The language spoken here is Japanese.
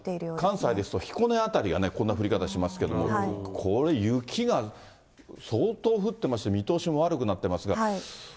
よく関西ですと、彦根辺りがこんな降り方しますけれども、これ、雪が相当降ってまして、見通しも悪くなってますけど。